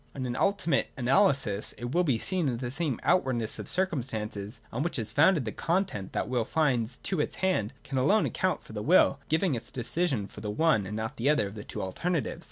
' On an ultimate analysis it will be seen that the same out wardness of circumstances, on which is foundedllie^cbiitenr that the will finds to its hand, can alone account for the will giving its decision for the one and not the other of the two alternatives.